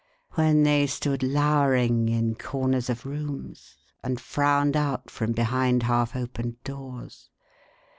When they stood lowering, in corners of rooms, and frowned out from behind half opened doors.